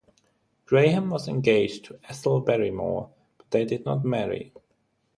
Graham was engaged to Ethel Barrymore, but they did not marry.